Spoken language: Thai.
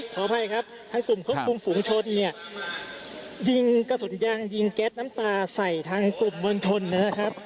ขออภัยครับทางกลุ่มฝูงชนยิงกระสุนยางยิงแก๊สน้ำตาใส่ทางกลุ่มเมืองชนนะครับ